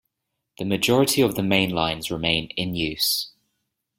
The majority of the mainlines remain in use.